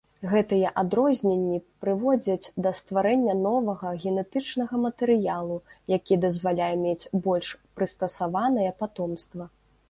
Гэтыя адрозненні прыводзяць да стварэння новага генетычнага матэрыялу, які дазваляе мець больш прыстасаванае патомства.